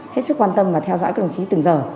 hết sức quan tâm và theo dõi các đồng chí từng giờ